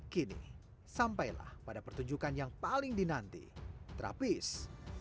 kini sampailah pada pertunjukan yang paling dinanti trapis